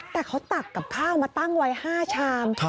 แต่เขาตักกับข้าวมาตั้งไว้๕ชาม